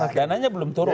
dananya belum turunkan